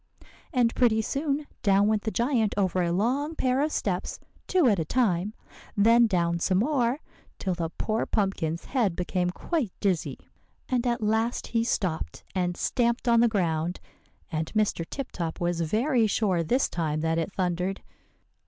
"And pretty soon, down went the giant over a long pair of steps, two at a time, then down some more, till the poor pumpkin's head became quite dizzy. And at last he stopped, and stamped on the ground; and Mr. Tip Top was very sure this time that it thundered.